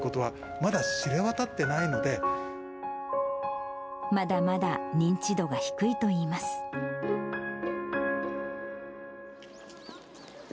まだまだ認知度が低いといいます。